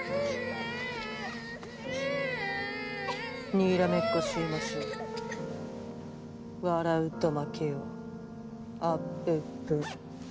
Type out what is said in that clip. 「にらめっこしましょ」「笑うと負けよあっぷっぷ」